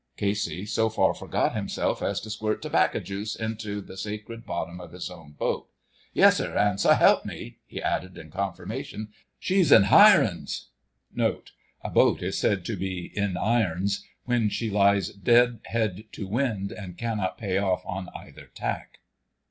Casey so far forgot himself as to squirt tobacco juice into the sacred bottom of his own boat. "Yessir, an' so help me," he added in confirmation, "she's in Hirons!"[#] [#] A boat is said to be "in irons" when she lies dead head to wind and cannot pay off on either tack.